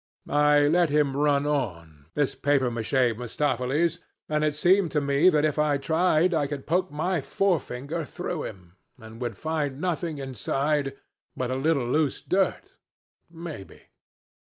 ...' "I let him run on, this papier mache Mephistopheles, and it seemed to me that if I tried I could poke my forefinger through him, and would find nothing inside but a little loose dirt, maybe.